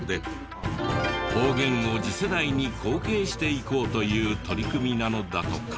方言を次世代に後継していこうという取り組みなのだとか。